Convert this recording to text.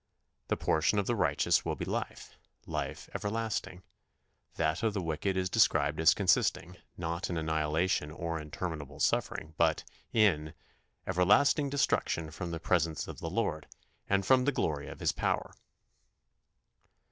The portion of the righteous will be life life everlasting; that of the wicked is described as consisting, not in annihilation or in terminable suffering, but in "everlasting destruction from the presence of the Lord, and from the glory of his power."